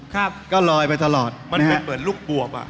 ครับก็ลอยไปตลอดมันเป็นเหมือนลูกบวบอ่ะ